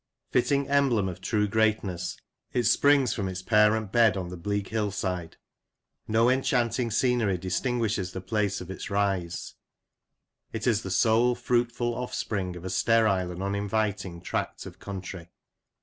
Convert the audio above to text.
Fitting emblem of true greatness, it springs from its parent bed on the bleak hill side ; no enchanting scenery distinguishes the place of its rise ; it is the sole fruitful offspring of a sterile and uninviting tract of country.